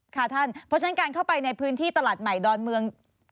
ค่ะท่านเพราะฉะนั้นการเข้าไปในพื้นที่ตลาดใหม่ดอนเมือง